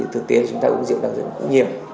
thực tiên chúng ta uống rượu đặc biệt là uống nhiều